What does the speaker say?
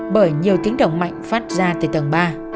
bởi nhiều tiếng động mạnh phát ra từ tầng ba